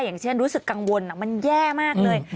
อย่างเช่นรู้สึกกังวลมันแย่มากเลย